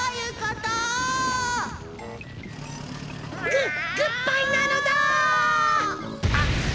ググッバイなのだ！